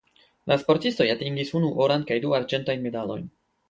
La sportistoj atingis unu oran kaj du arĝentajn medalojn.